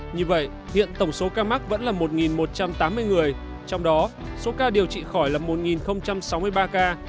như vậy hiện tổng số ca mắc vẫn là một một trăm tám mươi người trong đó số ca điều trị khỏi là một sáu mươi ba ca